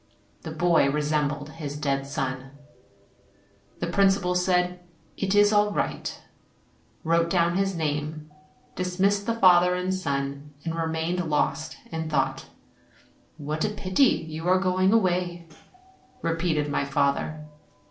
The boy resembled his dead son. The THE SOLDIERS 41 principal said, "It is all right," wrote down his name, dismissed the father and son, and remained lost in thought. 'What a pity that you are going away!" repeated my father.